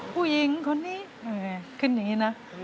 ผู้หญิงคนนี้ขึ้นอย่างนี้นะ